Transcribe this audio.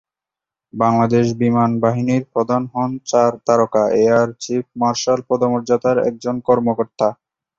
বাংলাদেশ বিমান বাহিনীর প্রধান হন চার তারকা এয়ার চিফ মার্শাল পদমর্যাদার একজন কর্মকর্তা।